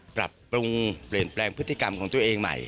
ปรับปรุงเปลี่ยนแปลงพฤติกรรมของตัวเองใหม่